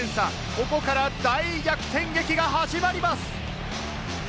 ここから大逆転劇が始まります。